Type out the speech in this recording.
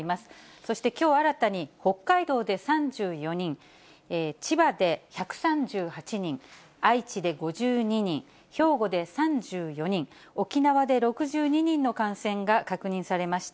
そしてきょう、新たに北海道で３４人、千葉で１３８人、愛知で５２人、兵庫で３４人、沖縄で６２人の感染が確認されました。